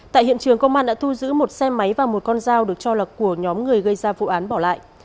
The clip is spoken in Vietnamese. tại hiện trường công an đã thu giữ một xe máy và một con dao được cho là của nhóm người gây ra vụ án bỏ lại